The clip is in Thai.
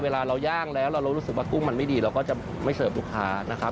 เวลาเราย่างแล้วเรารู้สึกว่ากุ้งมันไม่ดีเราก็จะไม่เสิร์ฟลูกค้านะครับ